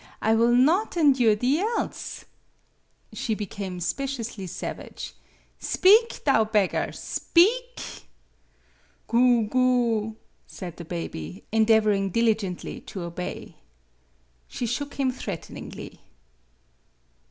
I will not endure the* else." She became speciously savage. "Speak, thou beggar, speak!" "Goo goo," said the baby, endeavoring diligently to obey. She shook him threateningly.